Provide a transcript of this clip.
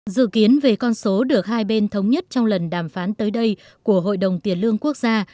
dự kiến về con số được hai bên thống nhất trong lần đàm phán tới đây của hội đồng tiền lương quốc gia